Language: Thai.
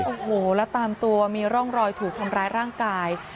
โอ้โหแล้วตามตัวมีร่องรอยถูกทำร้ายร่างกาย